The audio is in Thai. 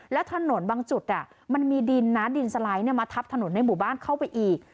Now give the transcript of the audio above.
แล้วถนนบางจุดมันมีดินนะดินสไลด์มาทับถนนในหมู่บ้านเข้าไปอีก